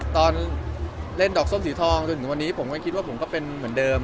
ตอนเล่นดอกส้มสีทองจนถึงวันนี้ผมก็คิดว่าผมก็เป็นเหมือนเดิม